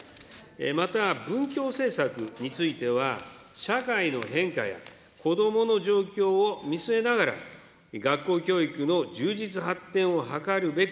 また文教政策については、社会の変化や子どもの状況を見据えながら、学校教育の充実発展を図るべく、